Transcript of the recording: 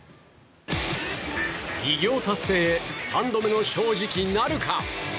偉業達成へ３度目の正直なるか。